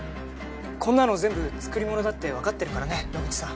こんなの全部作り物だって分かってるからね野口さん。